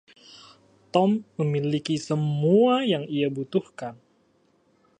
Tom memiliki semua yang ia butuhkan.